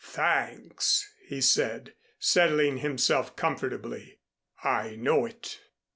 "Thanks," he said, settling himself comfortably. "I know it."